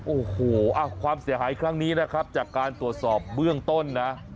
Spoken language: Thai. โอ้โหความเสียหายครั้งนี้นะครับจากการตรวจสอบเบื้องต้นนะ